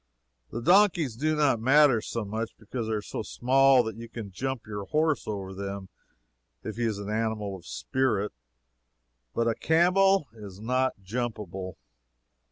The donkeys do not matter so much, because they are so small that you can jump your horse over them if he is an animal of spirit, but a camel is not jumpable.